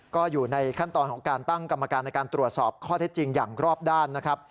ก็อยู่ในขั้นตอนของการตั้งกรรมการในการตรวจสอบข้อเท็จจริงอย่างรอบด้านนะครับ